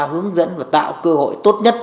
hướng dẫn và tạo cơ hội tốt nhất